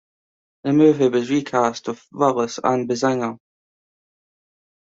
The movie was re-cast with Willis and Basinger.